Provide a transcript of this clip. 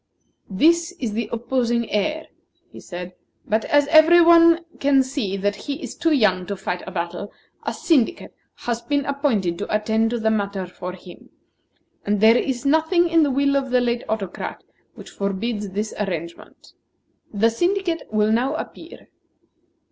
"This is the opposing heir," he said; "but as every one can see that he is too young to fight a battle, a syndicate has been appointed to attend to the matter for him; and there is nothing in the will of the late Autocrat which forbids this arrangement. The syndicate will now appear."